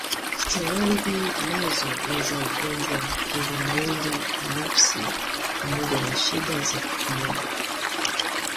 Steroidi nazo ni za ugonjwa kinga mwili nafsi pamoja na shida za kupumua.